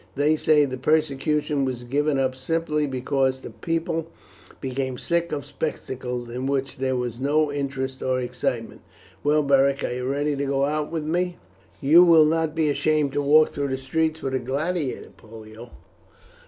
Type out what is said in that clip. They say the persecution was given up simply because the people became sick of spectacles in which there was no interest or excitement. Well, Beric, are you ready to go out with me?" "You will not be ashamed to walk through the streets with a gladiator, Pollio?"